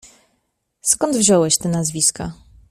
"Skąd wziąłeś te nazwiska?"